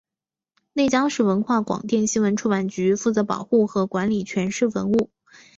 内江市文化广电新闻出版局负责保护和管理全市文物。